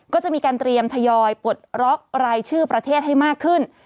ก็จะมีการเตรียมทยอยปลดล็อกรายชื่อประเทศให้มากขึ้น